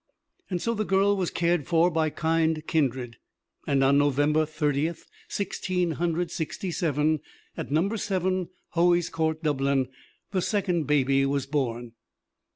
So the girl was cared for by kind kindred, and on November Thirtieth, Sixteen Hundred Sixty seven, at Number Seven, Hoey's Court, Dublin, the second baby was born.